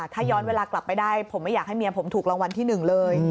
ถ้าย้อนเวลากลับไปได้ผมไม่อยากให้เมียผมถูกรางวัลที่๑เลย